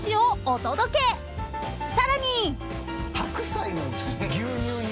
［さらに］